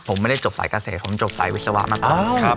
ผมไม่ได้จบใส่เกษตรผมจบใส่วิศวะมากกว่า